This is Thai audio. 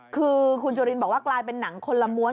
คือคุณจุลินบอกว่ากลายเป็นหนังคนละม้วน